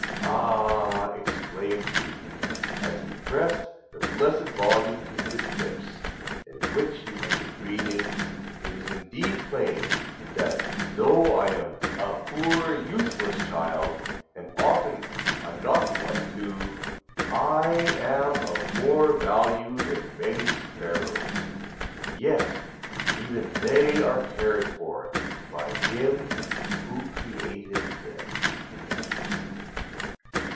—"Ah!" exclaimed he, as he pressed the blessed volume to his lips, in which he had been reading, "it is indeed plain, that though I am a poor useless child, and often a naughty one too, 'I am of more value than many sparrows;' yet even they are cared for, by Him who created them."